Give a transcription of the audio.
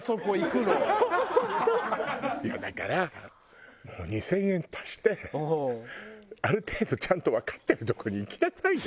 いやだから２０００円足してある程度ちゃんとわかってるとこに行きなさいよ。